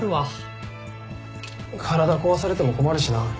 体壊されても困るしな。